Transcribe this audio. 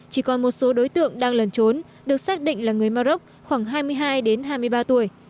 chỉ còn một số đối tượng đang lẩn trốn được xác định là người maroc khoảng hai mươi hai đến hai mươi ba tuổi